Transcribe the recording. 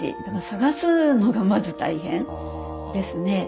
だから捜すのがまず大変ですね。